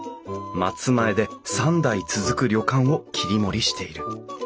松前で三代続く旅館を切り盛りしている。